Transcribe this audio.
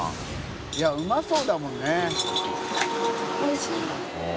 いうまそうだもんね。